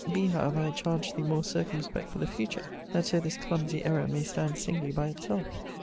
Be, however, I charge thee, more circumspect for the future, that so this clumsy error may stand singly by itself.